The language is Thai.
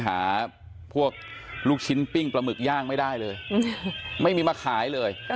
หาพวกลูกชิ้นปิ้งปลาหมึกย่างไม่ได้เลยไม่มีมาขายเลย